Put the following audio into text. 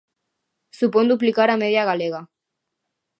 Supón duplicar a media galega.